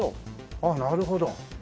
あっなるほど。